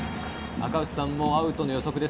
赤星さんもアウトの予測です。